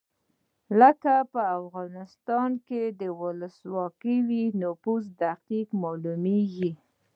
کله چې افغانستان کې ولسواکي وي نفوس دقیق مالومیږي.